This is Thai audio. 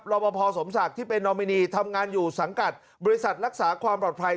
บพอสมศักดิ์ที่เป็นนอมินีทำงานอยู่สังกัดบริษัทรักษาความปลอดภัย